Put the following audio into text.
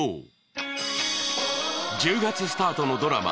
１０月スタートのドラマ